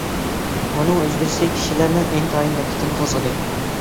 ئۇنىڭ ئۆزگىرىشى كىشىلەرنىڭ ئىنتايىن دىققىتىنى قوزغىدى.